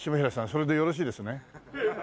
それでよろしいですね？